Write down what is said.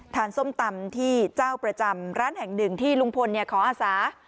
ส้มตำที่เจ้าประจำร้านแห่งหนึ่งที่ลุงพลขออาสา